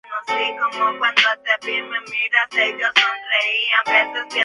En este punto, cinco estados ratificaron la constitución con relativa facilidad.